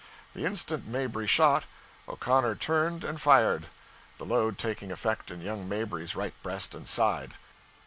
The instant Mabry shot, O'Connor turned and fired, the load taking effect in young Mabry's right breast and side.